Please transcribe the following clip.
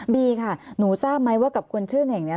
บีค่ะหนูทราบไหมว่ากับคนชื่อเน่งเนี่ย